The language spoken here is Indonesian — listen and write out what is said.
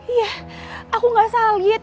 iya aku nggak salah liat